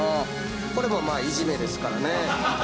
これもまあいじめですからね。